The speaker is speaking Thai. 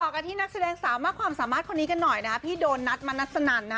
กันที่นักแสดงสาวมากความสามารถคนนี้กันหน่อยนะฮะพี่โดนัทมณัสสนันนะฮะ